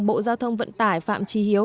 bộ giao thông vận tải phạm tri hiếu